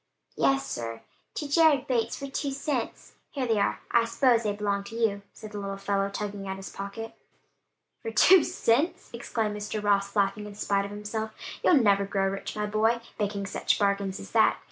"Yes, sir: to Jared Bates, for two cents. Here they are: I s'pose they belong to you," said the little fellow tugging at his pocket. "For two cents!" exclaimed Mr. Ross laughing in spite of himself. "You'll never grow rich, my boy, making such bargains as that.